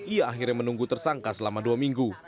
ia akhirnya menunggu tersangka selama dua minggu